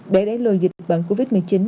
để đẩy lùi dịch bằng covid một mươi chín